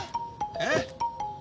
えっ？